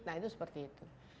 nah itu seperti itu